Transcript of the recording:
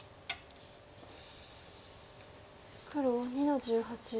黒２の十八。